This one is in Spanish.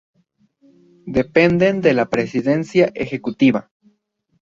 Dependen de la Presidencia Ejecutiva.